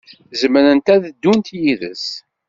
Zemrent ad ddun yid-s.